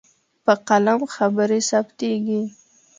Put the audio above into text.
په قلم خبرې ثبتېږي.